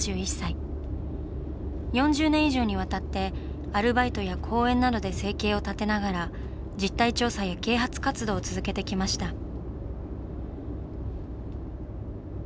４０年以上にわたってアルバイトや講演などで生計を立てながら実態調査や啓発活動を続けてきました。